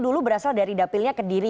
dulu berasal dari dapilnya kediri